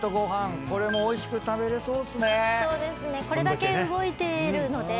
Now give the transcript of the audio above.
これだけ動いているので。